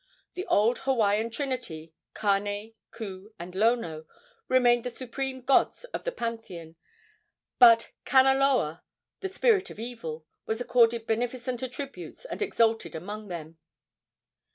The old Hawaiian trinity Kane, Ku and Lono remained the supreme gods of the pantheon, but Kanaloa, the spirit of evil, was accorded beneficent attributes and exalted among them.